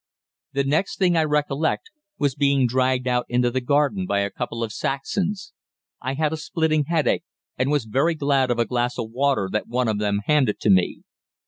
"The next thing I recollect was being dragged out into the garden by a couple of Saxons. I had a splitting headache, and was very glad of a glass of water that one of them handed to me.